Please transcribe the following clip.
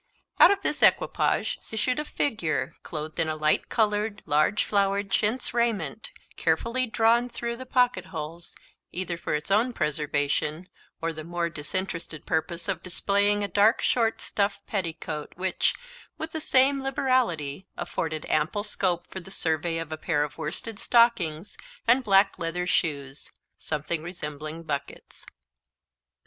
Out of this equipage issued a figure, clothed in a light coloured, large flowered chintz raiment, carefully drawn through the pocket holes, either for its own preservation, or the more disinterested purpose of displaying a dark short stuff petticoat, which, with the same liberality, afforded ample scope for the survey of a pair of worsted stockings and black leather shoes, something resembling buckets.